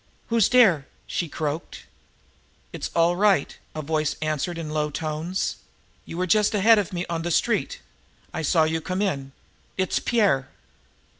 "Who's dere?" she croaked. "It's all right," a voice answered in low tones. "You were just ahead of me on the street. I saw you come in. It's Pierre."